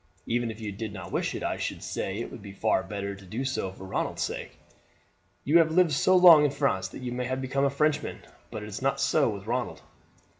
Even if you did not wish it, I should say it would be far better to do so for Ronald's sake. You have lived so long in France that you may have become a Frenchman; but it is not so with Ronald."